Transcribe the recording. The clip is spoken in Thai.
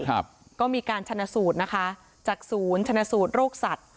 ครับก็มีการชนะสูตรนะคะจากศูนย์ชนะสูตรโรคสัตว์